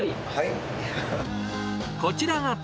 はい。